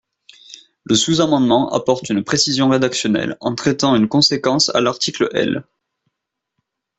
Le sous-amendement apporte une précision rédactionnelle en traitant une conséquence à l’article L.